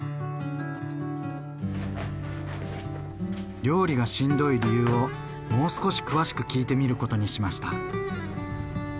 料理がしんどい理由をもう少し詳しく聞いてみることにしました。